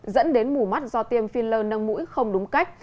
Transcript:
dẫn đến mù mắt do tiêm filler nâng mũi không đúng cách